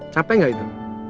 capek nggak itu